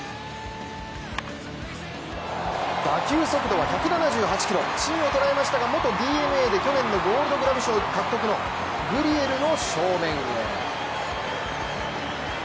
打球速度は１７８キロ、芯を捉えましたが元ＤｅＮＡで去年のゴールドグラブ賞獲得のグリエルの正面へ。